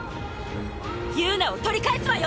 友奈を取り返すわよ！